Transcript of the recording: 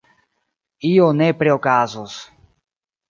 Io nepre okazos.